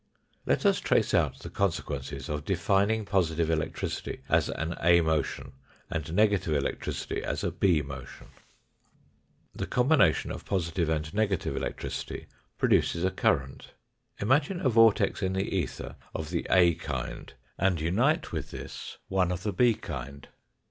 Let us trace out the consequences of defining positive electricity as an A motion and negative electricity as a B motion. The combination of positive and negative 228 THE FOURTH DIMENSION electricity produces a current. Imagine a vortex in the ether of the A kind and unite with this one of the B kind.